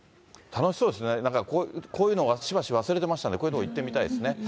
楽しそうですね、なんかこういうの、しばし忘れてましたから、こういうの行ってみたいですね。